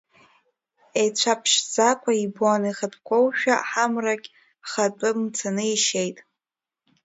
Еҵәаԥшӡақәа ибон ихатәқәоушәа, ҳамрагь хатәы мцаны ишьеит.